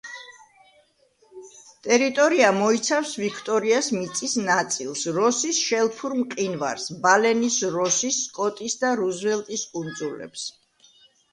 ტერიტორია მოიცავს ვიქტორიას მიწის ნაწილს, როსის შელფურ მყინვარს, ბალენის, როსის, სკოტის და რუზველტის კუნძულებს.